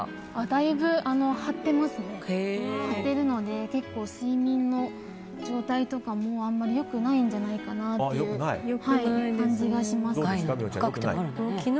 だいぶ張っているので結構睡眠の状態とかもあんまり良くないんじゃないかなという感じがします。